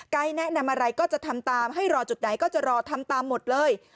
แนะนำอะไรก็จะทำตามให้รอจุดไหนก็จะรอทำตามหมดเลย